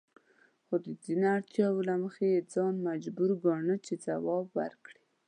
خو د ځینو اړتیاوو له مخې یې ځان مجبور ګاڼه چې ځواب ورکړي.